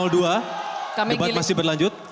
debat masih berlanjut